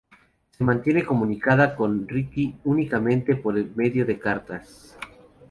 Se mantiene comunicada con Rickie únicamente por medio de cartas.